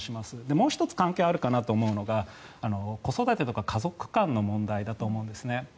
もう１つ関係あるかなと思うのが子育てとか家族観の問題だと思うんですね。